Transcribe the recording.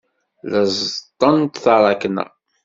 La ẓeṭṭent taṛakna.